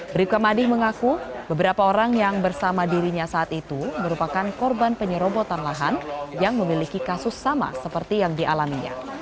bribka madi mengaku beberapa orang yang bersama dirinya saat itu merupakan korban penyerobotan lahan yang memiliki kasus sama seperti yang dialaminya